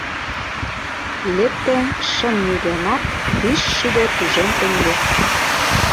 Лекте шым миллионат вич шӱдӧ тӱжем теҥге.